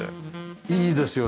いいですよね。